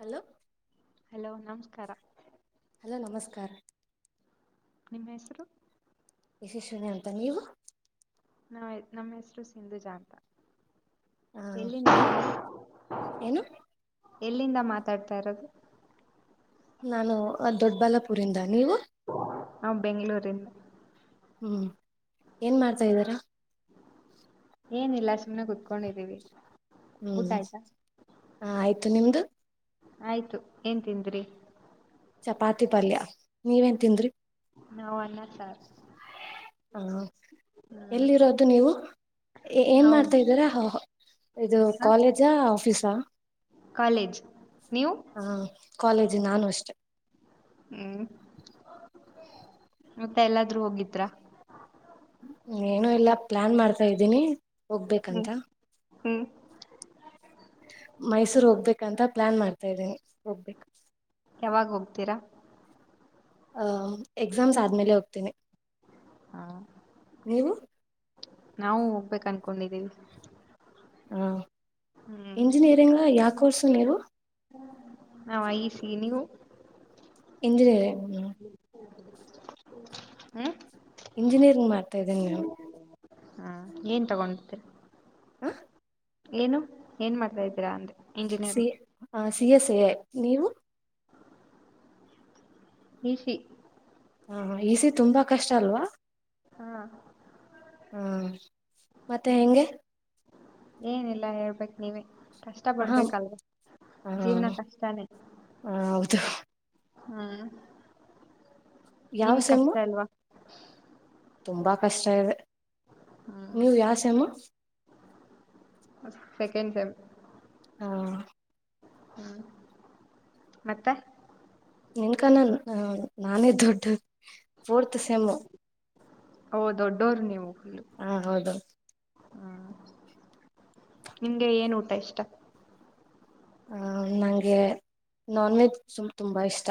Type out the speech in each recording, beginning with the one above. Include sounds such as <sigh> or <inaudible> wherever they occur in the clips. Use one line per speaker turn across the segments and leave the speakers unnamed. Hello
hello <unintelligible> ಕರ
hello ನಮಸ್ಕಾರ
ನಿಮ್ಮ ಹೆಸರು
ಯಶಸ್ವಿನಿ ಅಂತ ನೀವು
ನಾ ನಮ್ಮ್ ಹೆಸರು ಸಿಂಧುಜಾ ಅಂತ
ಆ
ಎಲ್ಲಿಂದ
ಏನು
ಎಲ್ಲಿಂದ ಮಾತಾಡ್ತಾ ಇರೋದು
ನಾನು ದೊಡ್ಡಬಲ್ಲಾಪುರಿಂದ ನೀವು
ನಾ ಬೆಂಗಳೂರಿಂದ
ಹ್ಮ್ ಏನ್ ಮಾಡ್ತಾ ಇದ್ದಾರ
ಏನ ಇಲ್ಲ ಸುಮ್ನೆ ಕುೂತ್ಕೊಂಡಿದ್ದೀವಿ
ಹ್ಮ್ ಹ ಆಯ್ತು ಮ ನಿಮ್ದು <unintelligible>
ಆಯ್ತು ಏನ್ ತಿಂದ್ರಿ
ಚಪಾತಿ ಪಲ್ಯ ನೀವೇನ್ ತಿಂದ್ರಿ
ನಾವು ಅನ್ನ ಸಾರ್
ಹಾ ಎಲ್ಲಿರೋದು ನೀವು ಏನ್
ನಾವು
ಮಾಡ್ತಾ ಇದ್ದೀರ ಇದು
ಹ
ಕಾಲೇಜ ಆಫೀಸ
ಕಾಲೇಜ್ ನೀವು
ಹ ಕಾಲೇಜ್ ನಾನು ಅಷ್ಟೇ
ಹ್ಮ್ ಮತ್ತ ಎಲ್ಲಾದ್ರೂ ಹೋಗಿದ್ರ
ಏನು ಎಲ್ಲಾ ಪ್ಲಾನ್ ಮಾಡ್ತಾ ಇದ್ದೀನಿ
ಹ್ಮ್
ಹೋಗ್ಬೇಕಂತ
ಹ್ಮ್
ಮೈಸ್ ಹೋಗ್ಬೇಕಂತ ಪ್ಲಾನ್ ಮಾಡ್ತಾ ಇದ್ದೀನಿ
ಯಾವಾಗ ಹೋಗ್ತೀರಾ
ಆ -ಎಕ್ಸಾಮ್ಸ್ ಆದ್ಮೇಲೆ ಹೋಗ್ತೇನಿ
ಹ
ನೀವು
ನಾವು ಹೋಗ್ಬೇಕ ಅನ್ಕೊಂಡಿದ್ದೀವಿ
ಹಾ
ಹ್ಮ್
ಇಂಜಿನಿಯರಿಂಗ್ ಲ ಯಾವ ಕರ್ಸು ನೀವು
ನಾವ ಇಸಿ ನೀವು
ಎಂಜಿನರೆ ಹ್ಮ
ಹ್ಮ
ಇಂಜಿನಿಯರಿಂಗ್ ಮಾಡ್ತಾ ಇದೇನಿ ಮ್ಯಾ
ಹಾ ಏನ್ ತಗೊಂಡತರಿ
ಹ್ಮ
ಏನು ಏನ್ ಮಾಡ್ತಾ ಇದ್ದೀರಾ ಅಂದ್ರೆ
ಸ ಹ <unintelligible> ಸಿ ಎ ಸಿ ನೀವು
ಈಸಿ
ಹಾ ಹಾ ಈಸಿ ತುಂಬಾ ಕಷ್ಟ ಅಲ್ವಾ
ಹಾ
ಹ್ಮ್ ಮತ್ತೆ ಹೆಂಗೆ
ಏನಲ್ಲಾ ಹೇಳ್ಬೇಕ್ ನೀವೇ ಕಷ್ಟ
ಹ
ಪಡ್ಬೇಕಲ್ವಾ
ಹಾ
ಜೀವನ ಕಷ್ಟಾನೇ
ಹ ಹೌದು
ಹ್ಮ್
ಯಾವ
ನಿಮ್
ಸೆಮ್ಮು
ಕಷ್ಟ ಅಲ್ವಾ
ತುಂಬಾ ಕಷ್ಟ ಇದೆ
ಹ್ಮ್
ನೀವು ಯಾವ ಸೇಮ್
ಸೆಕೆಂಡ್ ಸೆಮ್
ಹಾ
ಹ್ಮ್ ಮತ್ತೆ.
ನಿನ್ಕಾನ ನಾನೇ ದೊಡ್ಡ ಫೋರ್ತ್ ಸೆಮ್ಮು.
ಹೌದು ದೊಡ್ಡೋರು ನೀವು.
ಹಾ ಹೌದು.
ಹ್ಮ ನಿಮ್ಗೆ ಏನ್ ಊಟ ಇಷ್ಟ.
ಆ ನಂಗೆ ನಾನ್ ವೆಜ್ ತುಂಬಾ ಇಷ್ಟ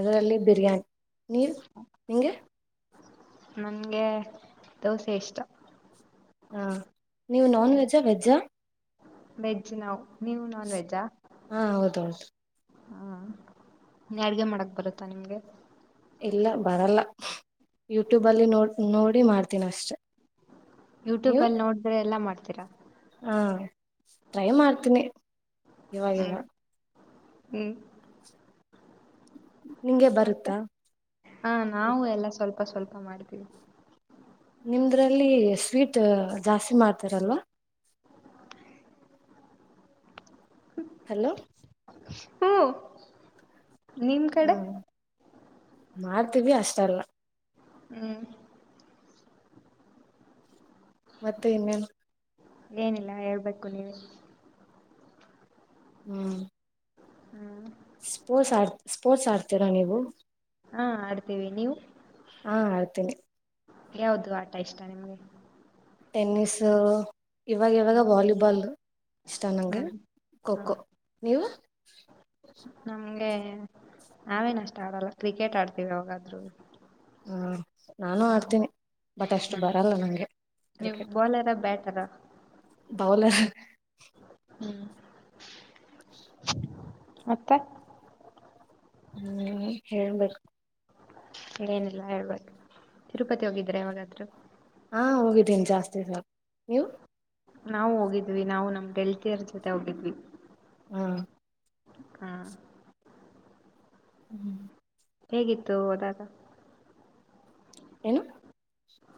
ಅದರಲ್ಲಿ ಬಿರಿಯಾನಿ ನೀವ್ ನೀ ನಿಂಗೆ.
ನನ್ಗೆ ದೋಸೆ ಇಷ್ಟ.
ಹಾ ನೀವು ನಾನ್ ವೆಜ್ಜಾ ವೆಜ್ಜಾ.
ವೆಜ್ ನಾವು. ನೀವು ನಾನ್
ಹಾ ಹೌದೌದು.
ಹಾ ಅಡ್ಗೆ ಮಾಡಕ್ ಬರುತ್ತಾ ನಿಮ್ಗೆ.
ಇಲ್ಲ ಬರಲ್ಲ ಯೂಟ್ಯೂಬಲ್ಲಿ ನೋಡ್ ನೋಡಿ ಮಾಡ್ತೀನಿ ಅಷ್ಟೇ.
ಯೂಟ್ಯೂಬ್ಲ್ಲಿ ನೋಡಿದ್ರೆ ಎಲ್ಲ ಮಾಡ ತಿರ
ಹಾ ಟ್ರೈ ಮಾಡ್ತೀನಿ. ಇವಾಗ್ ಇವ.
ಹ್ಮ್ ಹ್ಮ್
ನಿಂಗೆ
ಮತ್ತೆ
ಬರುತ್ತಾ
ಹಾ ನಾವು ಎಲ್ಲ ಸ್ವಲ್ಪ ಸ್ವಲ್ಪ ಮಾಡ್ತೀವಿ
ನಿಮ್ದ್ರಲ್ಲಿ ಸ್ವೀಟ್ ಜಾಸ್ತಿ ಮಾಡ್ತಾರಲ್ವಾ ಹಲೋ
ಹು ನಿಮ್
ಹ
ಕಡೆ.
ಮಾಡ್ತೀವಿ ಅಷ್ಟಲ್ಲ.
ಹ್ಮ್
ಮತ್ತೆ ಇನ್ನೇನ್
ಏನಿಲ್ಲ ಹೇಳ್ಬೇಕು ನೀವೇ.
ಹ್ಮ್
ಹ್ಮ್
ಸ್ಪೋರ್ಟ್ಸ್ ಆ ಸ್ಪೋರ್ಟ್ಸ್ ಆಡ್ತೀರಾ ನೀವು.
ಹಾ ಆಡ್ತೀವಿ ನೀವು.
ಹಾ ಆಡ್ತೀನಿ
ಯಾವ್ದು ಆಟ ಇಷ್ಟ ನಿಮ್ಗೆ.
ಟೆನ್ನಿಸ್ ಅ ಇವಾಗ ಇವಾಗ ವಾಲಿಬಾಲ್ ಇಷ್ಟ
ಹ್ಮ
ನಂಗೆ
ಹಾ
ಖೋ-ಖೋ ನೀವು.
ನಮ್ಗೆ ಆವೇನ್ ಅಷ್ಟ ಆಡಲ್ಲ ಕ್ರಿಕೆಟ್ ಆಡ್ತೀವಿ ಯವಾಗಾದ್ರೂ
ಹ್ಮ ನಾನು ಆಡ್ತೀನಿ ಬಟ್ ಅಷ್ಟು
ಹ್ಮ್
ಬರಲ್ಲ ನಂಗೆ ಕ್ರಿಕೆಟ್.
ತರ
ಬೌಲ
ಹ್ಮ್ ಮತ್ತೆ.
ಹ್ಮ್ ಹೇಳ್ಬೇಕು
ಏನಿಲ್ಲ ಹೇಳ್ಬೇಕು ತಿರುಪತಿ ಹೋಗಿದ್ರೆವಾಗತ್ರರು
ಹಾ ಹೋಗಿದ್ದೀ ಜಾಸ್ತಿ ಸಲಾ ನೀವು
ನಾವು ಹೋಗಿದ್ವಿ ನಾವು ನಮ್ ಗೆಳತಿಯರ ಜೊತೆ ಹೋಗಿದ್ವಿ
ಹಾ
ಹ್ಮ
ಹ್ಮ್
ಹೇಗಿತ್ತು ಹೋದಾಗ
ಏನು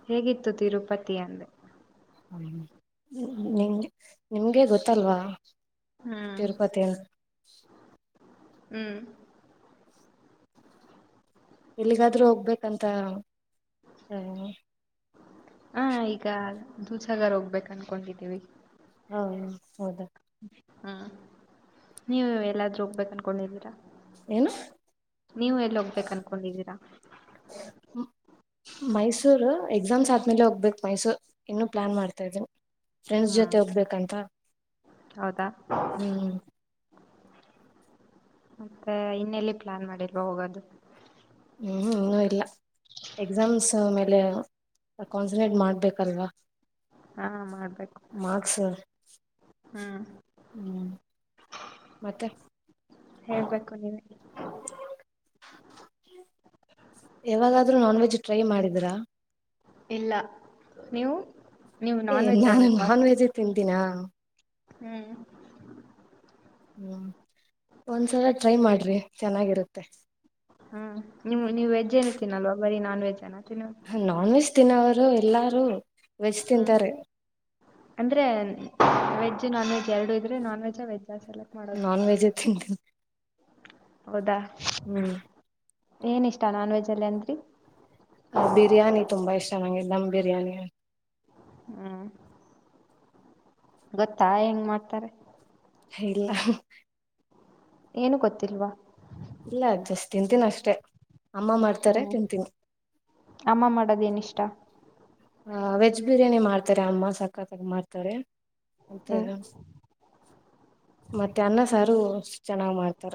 ಹೇಗಿತ್ತು ತಿರುಪತಿ ಅಂದೆ
ಹ್ಮ ನಿಮ್ಗೆ ನಿಮ್ಗೆ ಗೊತ್ತಲ್ವಾ.
ಹ್ಮ್
ತಿರುಪತಿಿಯ <inaudible>
ಹ್ಮ್
ಎಲ್ಲಿಗಾದ್ರೂ ಹೋಗ್ಬೇಕಂತ ಹ
ಹ ಈಗ ದೂಧಸಗರ ಹೋಗ್ಬೇಕ್ ಅನ್ಕೊಂಡಿದ್ದೀನೀ ರಿ
ಹಾ ಹೌದಾ.
ಹ್ಮ ನೀವು ಎಲ್ಲಾದ್ರು ಹೋಗ್ಬೇಕು ಅನ್ಕೊಂಡಿದ್ದೀರಾ.
ಏನು
ನೀವು ಎಲ್ಲಿೋಗ್ಬೇಕು ಅನ್ಕೊಂಡಿದ್ದೀರಾ
ಮೈಸೂರು ಎಕ್ಸಾಮ್ಸ್ ಆದ್ಮೇಲೆ ಹೋಗ್ಬೇಕಕ್ ಮೈಸೂರ್ ಇನ್ನುೂ ಪ್ಲಾನ್ ಮಾಡ್ತಾ ಇದ್ದೀನ್. ಫ್ರೆಂಡ್ಸ್ ಜೊತೆ
ಹ್ಮ್
ಹೋಗ್ಬೇಕಂತ
ಹೌದಾ
ಹ್ಮ್
ಮತ್ತೆ ಇನ್ನೆಲ್ಲಿ ಪ್ಲಾನ್ ಮಾಡಿಲ್ವ ಹೋಗೋದು.
ಹ್ಮ್ ಇನ್ನುೂ ಇಲ್ಲ ಎಕ್ಸಾಮ್ಸ್ ಮೇಲೆ ಕಾನ್ಸಂಟ್ರೇಟ್ ಮಾಡ್ಬೇಕಲ್ವಾ
ಹಾ ಮಾಡ್ಬೇಕು
ಮಾರ್ಕ್ಸ್
ಹ್ಮ್
ಹ್ಮ್ ಮತ್ತೆ
ಹೇಳ್ಬೇಕು ನೀವ
ಯಾವಾಗಾದ್ರೂ ನಾನ್ ವೆಜ್ ಟ್ರೈ ಮಾಡಿದ್ರಾ
ಇಲ್ಲ ನೀವು ನೀವು
ಏ
ನಾನ್ ವೆಜ್
ನಾನು
ಅಲ್ವಾ
ನಾನ್ ವೆಜ್ ತಿ ಿನ
ಹ್ಮ್.
ಹ್ಮ್ ಒಂದ್ಸಲ ಟ್ರೈ ಮಾಡ್ರಿ ಚೆನ್ನಾಗಿರುತ್ತೆ
ಹ್ಮ್ ನಿಮ್ ನೀವು ವೆಜ್ ಏನು ತಿೀನ್ನಲ್ವಾ ಬರೀ ನಾನ್ ವೆಜ್ ಅನ ತಿನ್ನೋದು
ಹ ನಾನ್ ವೆಜ್ ತಿನ್ನಲ ಎಲ್ಲಾರು ವೆಜ್
ಹ್ಮ
ತಿಂತಾರೆ
ಅಂದ್ರೆ ವೆಜ್ಜ್ ನಾನ್ ವೆಜ್. ಎರಡು ಇದ್ರೆ ನಾನ್ ವೆಜ್ಜ ವೆಜ್ ಸೆಲೆಕ್ಟ್ ಮಾಡೋದು
ನಾನ್ ವೆಜ್ೆ ತಿಂತೀನಿ
ಹೌದಾ
ಹ್ಮ್.
ಏನ ಇಷ್ಟ ನಾನ್ ವೆಜ್ ಅಲ್ಲೇ ಅನ್ರಿ
ಅ ಬಿರಿಯಾನಿ ತುಂಬಾ ಇಷ್ಟ ನಂಗೆ ದಮ್ ಬಿರಿಯಾನಿ.
ಹ್ಮ್ ಗೊತ್ತಾ ಹೆಂಗ್ ಮಾಡ್ತಾರೆ.
ಇಲ್ಲ
ಏನು ಗೊತ್ತಿಲ್ವಾ
ಇಲ್ಲ ಜಸ್ಟ್ ತಿಂತೀನ ಅಷ್ಟೆ
ಹ್ಮ್ ಅಮ್ಮ ಮಾಡದ ಏನಿಷ್ಟ
ಹ ವೆಜ್ ಬಿರಿಯಾನಿ ಮಾಡ್ತಾರೆ ಅಮ್ಮ ಸಕತ್ತಾಗ ಮಾಡ್ತಾರೆ
ಹ್ಮ್
<unintelligible> ಮತ್ತೆ ಅನ್ನ ಸಾರು ಚೆನ್ನಾಗ್ ಮಾಡ್ತಾರ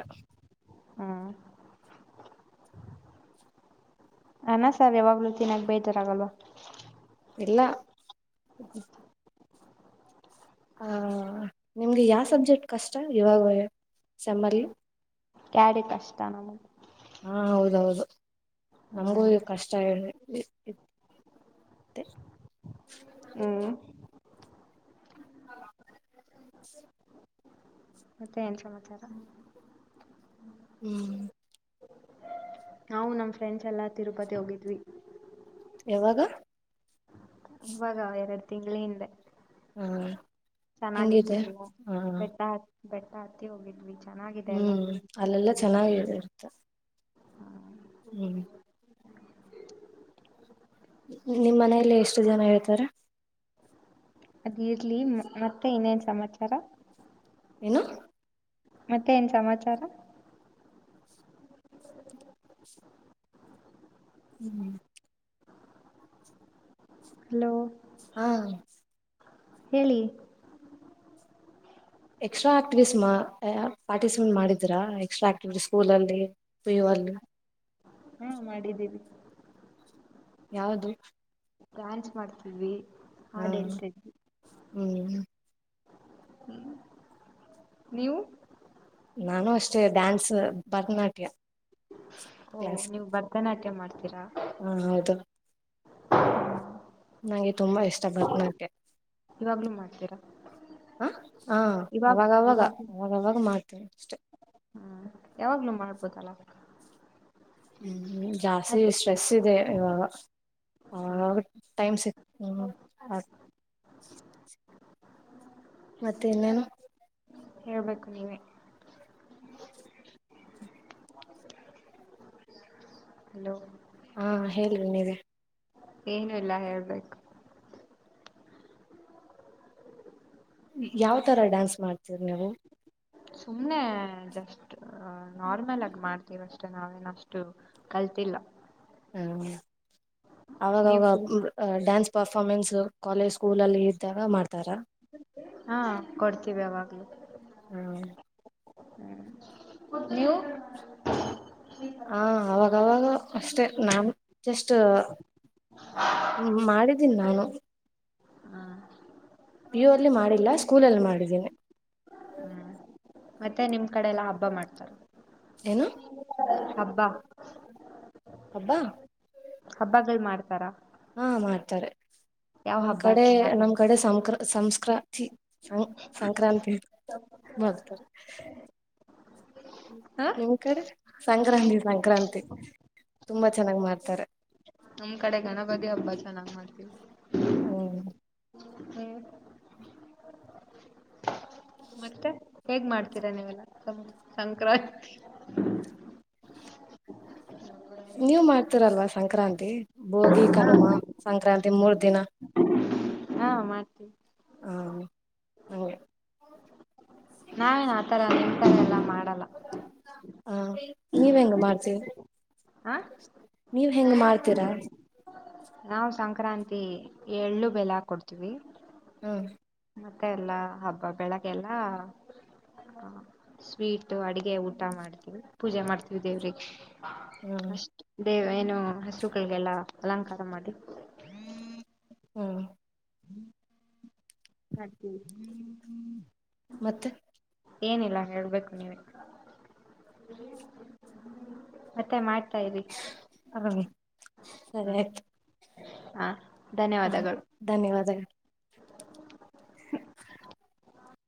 ಹ್ಮ್ ಅನಾ ಸರ್ ಯಾವಾಗ್ಲೂ ತಿಿನಕ್ ಬೇಜಾರ ಆಗಲ್ವ
ಇಲ್ಲ ಹ ನಿಮ್ಗೆ ಯಾವ ಸಬ್ಜೆಕ್ಟ್ ಕಷ್ಟ ಇವಾಗ ಸೆಮರ್ಲಿ
ಕ್ಯಾಡ್ ಕಷ್ಟ ನಮಗೆ
ಹಾ ಹೌದೌದು ನಮ್ಗೂ ಈ ಕಷ್ಟ ಹೇಳಿ ಇ
ಹ್ಮ್
ಹ
ಮತ್ತೆ ಏನ್ ಸಮಾಚಾರ
ಹ್ಮ್
ನಾವು ನಮ ಫ್ರೆಂಡ್ಸ್ ಎಲ್ಲ ತಿರುಪತಿ ಹೋಗಿದ್ವಿ
ಯಾವಾಗ
ಇವಾಗ ಎರಡು ತಿಂಗಳ ಹಿಂದೆ
ಹಾ
ಚೆನ್ನಾಗಿತ್ತು
ಹೆಂಗಿದೆ
ಎಲ್ಲ
ಹಾ
ಬೆಟ್ಟ ಹತ್ ಬೆಟ್ಟ ಹತ್ತಿ ಹೋಗಿದ್ವಿ ಚೆನ್ನಾಗಿದೆ ಎಲ್ಲ
ಹ್ಮ್
ನೀವು
ಅಲ್ಲೆಲ್ಲಾ
ಬನ್ನಿ
ಚೆನ್ನಾಗ ಇರುತ್ತ ನಿಮ್ ಮನೇಲಿ ಎಷ್ಟು ಜನ ಇರ್ತಾರೆ
ಅದಿರ್ಲಿ ಮತ್ತೆ ಇನ್ನೇನ್ ಸಮಾಚಾರ
ಏನು
ಮತ್ತೆ ಏನ ಸಮಾಚಾರ
ಹ್ಮ್
ಹಲೋ
ಹಾ
ಹೇಳಿ
ಎಕ್ಸ್ಟ್ರಾ ಆಕ್ಟಿವಿಟೀ ಪಾರ್ಟಿಸಿಪೇಟ್ ಮಾಡಿದ್ರಾ ಎಕ್ಸ್ಟ್ರಾ ಆಕ್ಟಿವಿಟೀ ಸ್ಕೂಲಲ್ಲಿ ಪಿಯು ಅಲ್ಲಿ
ಹಾ ಮಾಡಿದ್ದೀವಿ
ಯಾವದು
ಡ್ಯಾನ್ಸ್ ಮಾಡ್ತಿದ್ವಿ
ಹಾ
ಹಾಡ್
ಹ್ಮ್
ಹ್ಮ ನೀವು
ನಾನು ಅಷ್ಟೇ ಡ್ಯಾನ್ಸ್ ಭರತನಾಟ್ಯ
ಓ ನೀವು ಭರತನಾಟ್ಯ ಮಾಡ್ತೀ ತ್ತರ
ಹಾ ಹೌದು ನಂಗೆ ತುಂಬಾ ಇಷ್ಟ ಭರತ್ ನಾಟ್ಯ
ಇವಾಗ್ಲೂ ಮಾಡ್ತೀರಾ
ಹ ಹ
ಇವಾಗ
ಅವಾಗವಾಗ
ಇವಾಗ್ಲೂ
ಅವಾಗವಾಗ ಮಾಡ್ತೀವಿ ಅಷ್ಟೆ
ಹ್ಮ್ ಯಾವಾಗ್ಲೂ ಮಾಡ್ಬೋದಲ್ಲ
ಹ್ಮ ಜಾಸ್ತಿ
ಅದ್
ಸ್ಟ್ರೆಸ್ ಇದೆ ಇವಾಗ
ಹಾ
ಆವಾಗ ಟೈಮ್ ಸಿಕ್ ಹ್ಮ್ ಹ ಮತ್ತೆ ಇನ್ನೇನು
ಹೇಳ್ಬೇಕು ನೀವೇ
<inaudible>
ಹಲೋ
ಹಾ ಹೇಳ್ರಿ ನೀವೇ
ಏನುೂ ಇಲ್ಲ ಹೇಳ ಬೇಕ
ಯಾವ ತರ ಡ್ಯಾನ್ಸ್ ಮಾಡ್ತೀರಿ ನೀವು
ಸುಮ್ನೆ ಜಸ್ಟ್ ನಾರ್ಮಲ್ ಆಗಿ ಮಾಡ್ತೀವ ಅಷ್ಟೇ ನಾವೇನ ಅಷ್ಟು ಕಲ್ತಿಲ್ಲ
ಹ್ಮ
ನೀವು
ಅವಾಗವಾಗ
full
dance performance college school ಅಲ್ಲಿ ಇದ್ದಾಗ ಮಾಡ್ತಾರ
ಹಾ ಕೊಡ್ತೀವಿ ಅವಾಗ್ಲ
ಹ್ಮ
<inaudible>
ಹ ಅವಾಗವಾಗ ಅಷ್ಟೆ ನಾನು ಜಸ್ಟ್ ಮಾಡಿದ್ದೀನಿ ನಾನು
ಹ್ಮ
ಪಿಯು ಅಲ್ಲಿ ಮಾಡಿಲ್ಲ ಸ್ಕೂಲಲ್ಲಿ ಮಾಡಿದ್ದೀನಿ
ಹ್ಮ್ ಮತ್ತೆ ನಿಮ ಕಡೆಲ್ಲಾ ಹಬ್ಬ ಮಾಡ್ತಾರೆ
ಏನು
ಹಬ್ಬ
ಹಬ್ಬಾ
ಹಬ್ಬಗಳು ಮಾಡ್ತಾರಾ
ಹಾ ಮಾಡ್ತಾರೆ
ಯಾವ
ನಮ್
ಹಬ್ಬ
ಕಡೆ
ಚೆನ್ನಾಗ್ ಮಾಡ
ನಮ್ ಕಡೆ ಸಂಕ್ರ ಸಂಸ್ಕಾರ ಸಂ ಸಂಕ್ರಾಂತಿ ಬರ್ತಾರೆ ಮಾಡ್ತಾರ
ಹ
ನಿಮ್ ಕಡೆ ಸಂಕ ಸಂಕ್ರಾಂತಿ ಸಂಕ್ರಾಂತಿ ತುಂಬಾ ಚೆನ್ನಾಗ್ ಮಾಡ್ತಾರೆ
ನಮ್ ಕಡೆ ಗಣಪತಿ ಹಬ್ಬ ಚೆನ್ನಾಗ್ ಮಾಡ್ತೀವಿ
ಹ್ಮ
ಹ್ಮ್ ಮತ್ತೆ ಹೇಗ್ ಮಾಡ್ತೀರಾ ನೀವೆಲ್ಲ ಸಂಕ್ರಾಂತಿ
ನೀವ್ ಮಾಡ್ತೀರಲ್ವಾ ಸಂಕ್ರಾಂತಿ ಭೋಗಿ ಕನುಮಾ ಸಂಕ್ರಾಂತಿ ಮೂರ್ ದಿನ
ಹಾ ಮಾಡ್ತೀ
ಹ ಹಂಗೆ
ನಾವೇನ್ ಆತ ಅಲ್ಲ ಎಲ್ಲ ಮಾಡ ಲ್ಲ
ಹಾ ನೀವ ಹೆಂಗ ಮಾಡ್ತೀರಿ
ಹ
<inaudible> ನೀವ್ ಹೆಂಗ ಮಾಡ್ತೀರಾ
ನಾವವು್ ಸಂಕ್ರಾಂತಿ ಏಳ್ಳು ಬೆಲ ಕೊಡ್ತೀವಿ
ಹ್ಮ
ಮತ್ತೆ ಎಲ್ಲಾ ಹಬ್ಬ ಬೆಳಗ್ಗೆಲ್ಲ ಸ್ವೀಟ್ ಅಡಗೆ ಊಟ ಮಾಡ್ತೀವಿ ಪೂಜೆ ಮಾಡ್ತೀವಿ ದೇವ್ರಿಗೆ,
ಹ್ಮ್
ಅಷ್ಟೇ. ದೇವ ಏನು ಹಸುಗಳಿಗೆಲ್ಲ ಅಲಂಕಾರ ಮಾಡಿ
ಹ್ಮ
<inaudible>
ಮತ್ತೆ
ಏನಿಲ್ಲ ಹೇಳ್ಬೇಕು ನೀವೆ, ಮತ್ತೆ ಮಾಡ್ತಾ ಇರಿ
ಹ ಸರಿ ಆ್ತು
ಹಾ
ಹ
ಧನ್ಯವಾದಗಳು.
ಧನ್ಯವಾದಗಳು <inaudible>